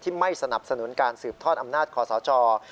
ที่ไม่สนับสนุนการสืบทอดอำนาจขอสาเจาะ